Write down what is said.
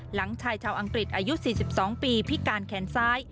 หลังชายชาวอังกฤษอายุ๔๒ปีพิการแขนซ้าย